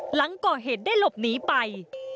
หลังก่อเหตุได้หลบหนีไป